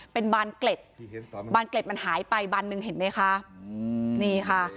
เป็นบานเกร็ดมันหายไปบานหนึ่งเห็นมั้ยคะ